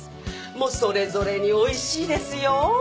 もうそれぞれにおいしいですよ！